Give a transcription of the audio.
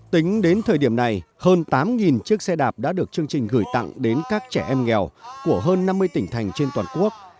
tính đến thời điểm này hơn tám chiếc xe đạp đã được chương trình gửi tặng đến các trẻ em nghèo của hơn năm mươi tỉnh thành trên toàn quốc